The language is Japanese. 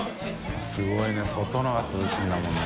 垢瓦い外の方が涼しいんだもんね。